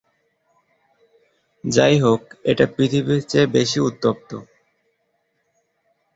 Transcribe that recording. যাই হোক, এটা পৃথিবীর চেয়ে বেশি উত্তপ্ত।